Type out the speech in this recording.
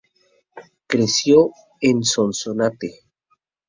Creció en Sonsonate.